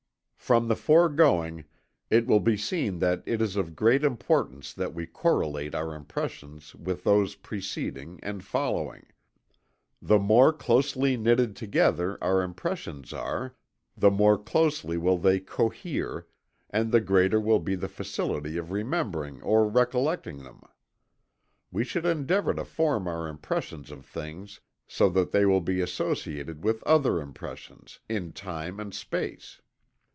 From the foregoing, it will be seen that it is of great importance that we correlate our impressions with those preceding and following. The more closely knitted together our impressions are, the more closely will they cohere, and the greater will be the facility of remembering or recollecting them. We should endeavor to form our impressions of things so that they will be associated with other impressions, in time and space.